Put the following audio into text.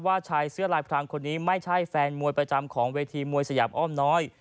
ชายเสื้อลายพรางคนนี้ไม่ใช่แฟนมวยประจำของเวทีมวยสยามอ้อมน้อย